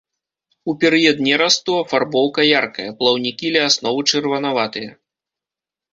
У перыяд нерасту афарбоўка яркая, плаўнікі ля асновы чырванаватыя.